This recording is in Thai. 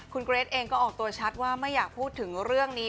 คุณเกรทเองก็ออกตัวชัดว่าไม่อยากพูดถึงเรื่องนี้